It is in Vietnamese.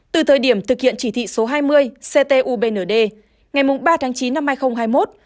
từ thời điểm thực hiện chỉ thị số hai mươi ctubnd ngày ba tháng chín năm hai nghìn hai mươi một